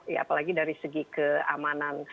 ya apalagi dari segi keamanan